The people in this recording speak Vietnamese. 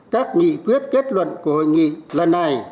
các nghị quyết kết luận của hội nghị lần này